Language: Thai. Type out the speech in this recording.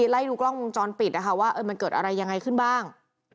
ไล่ดูกล้องวงจรปิดนะคะว่ามันเกิดอะไรยังไงขึ้นบ้าง